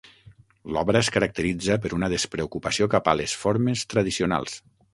L'obra es caracteritza per una despreocupació cap a les formes tradicionals.